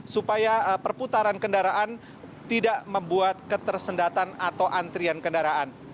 supaya perputaran kendaraan tidak membuat ketersendatan atau antrian kendaraan